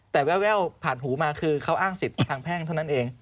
แต่แววผ่านหูมาคือเขาอ้างสิทธิ์ทางแพ่งเท่านั้นเอง